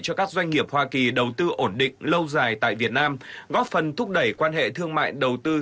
cho các doanh nghiệp hoa kỳ đầu tư ổn định lâu dài tại việt nam góp phần thúc đẩy quan hệ thương mại đầu tư